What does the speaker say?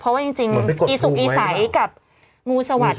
เพราะว่าจริงอีสุกอีใสกับงูสวัสดิ